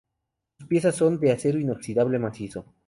Sus piezas son de acero inoxidable macizo.